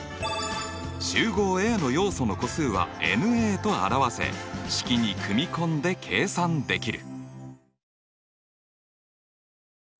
集合Ａの要素の個数はｎと表せ式に組み込んで計算できる。